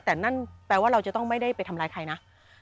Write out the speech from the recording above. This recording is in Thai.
แต่นั่นแปลว่าเราจะต้องไม่ได้ไปทำร้ายใครนะ